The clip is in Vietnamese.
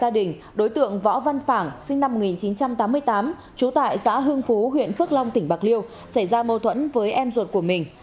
đối tượng võ văn phẳng sinh năm một nghìn chín trăm tám mươi tám trú tại xã hương phú huyện phước long tỉnh bạc liêu xảy ra mâu thuẫn với em ruột của mình